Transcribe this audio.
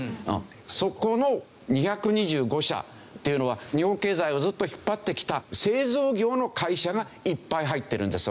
そこの２２５社というのは日本経済をずっと引っ張ってきた製造業の会社がいっぱい入ってるんですよ。